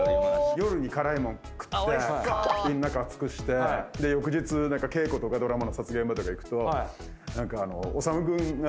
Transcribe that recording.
夜に辛いもん食ってカーって胃の中熱くしてで翌日稽古とかドラマの撮影現場とか行くとオサム君が。